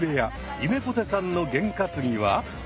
ゆめぽてさんのゲン担ぎは？